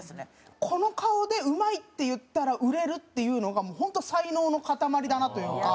この顔で「うまい」って言ったら売れるっていうのが本当才能の塊だなというか。